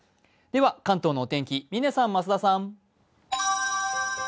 では関東のお天気、嶺さん増田さん。